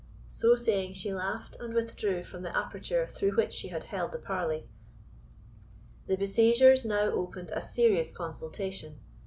So saying, she laughed, and withdrew from the aperture through which she had held the parley. The besiegers now opened a serious consultation.